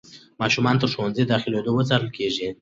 ماشومان تر ښوونځي داخلېدو څارل کېږي.